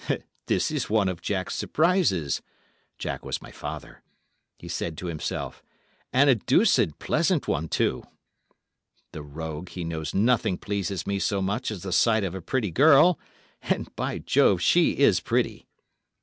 'This is one of Jack's surprises' (Jack was my father), he said to himself, 'and a deuced pleasant one, too! The rogue, he knows nothing pleases me so much as the sight of a pretty girl, and, by Jove, she is pretty!